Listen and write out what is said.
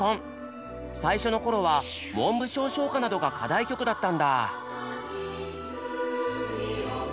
最初の頃は文部省唱歌などが課題曲だったんだ。